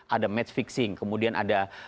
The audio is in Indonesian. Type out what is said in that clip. ada match fixing kemudian ada